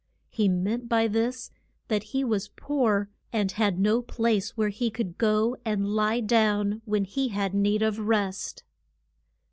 He meant by this that he was poor, and had no place where he could go and lie down when he had need of rest.